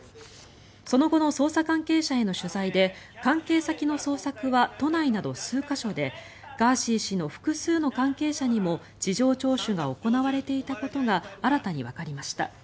その後の捜査関係者への取材で関係先の捜索は都内など数か所でガーシー氏の複数の関係者にも事情聴取が行われていたことが新たにわかりました。